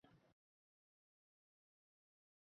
–Yomon, Ra’no.